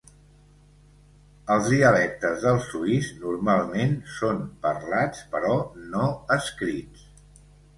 Els dialectes del suís normalment són parlats però no escrits.